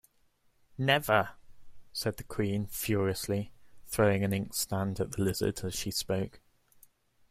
‘Never!’ said the Queen furiously, throwing an inkstand at the Lizard as she spoke.